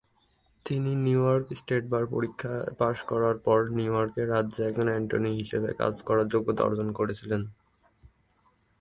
তিনি New York State bar পরীক্ষা pass করার পর নিউ ইয়র্ক রাজ্যে একজন অ্যাটর্নি হিসাবে কাজ করার যোগ্যতা অর্জন করেছিলেন।